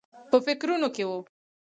په فکرونو کې و.